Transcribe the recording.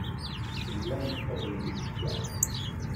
Tellam tqebblem isefka.